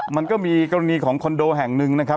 มันก็มีกรณีของคอนโดแห่งหนึ่งนะครับ